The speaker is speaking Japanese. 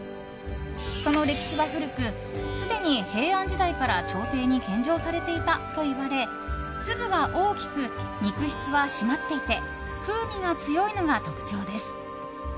その歴史は古くすでに平安時代から朝廷に献上されていたといわれ粒が大きく、肉質は締まっていて風味が強いのが特徴です。